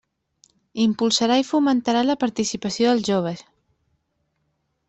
Impulsarà i fomentarà la participació dels joves.